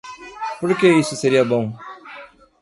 Por que isso seria bom?